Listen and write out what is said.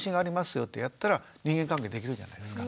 よってやったら人間関係できるじゃないですか。